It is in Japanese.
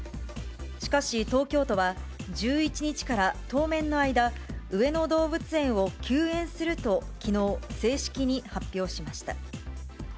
しかし、東京都は、１１日から当面の間、上野動物園を休園すると、きのう、正式に発表しました。